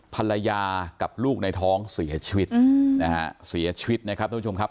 ภรรยากับลูกในท้องเสียชีวิตนะฮะเสียชีวิตนะครับทุกผู้ชมครับ